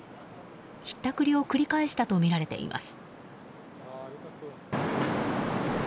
ひったくりを繰り返したとみられています。